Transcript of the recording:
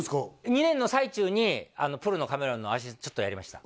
２年の最中にプロのカメラマンのアシちょっとやりました